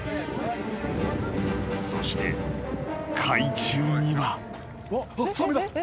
［そして海中には］